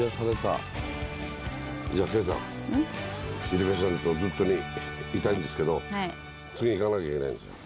じゃあ研さんイルカさんとずっといたいんですけど次行かなきゃいけないんですよ。